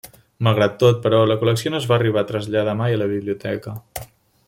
Malgrat tot, però, la col·lecció no es va arribar a traslladar mai a la biblioteca.